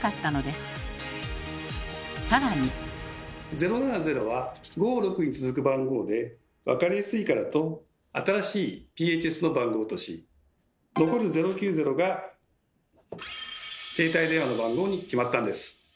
「０７０」は５・６に続く番号で分かりやすいからと新しいＰＨＳの番号とし残る「０９０」が携帯電話の番号に決まったんです。